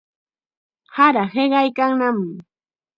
Sara hiqaykannam.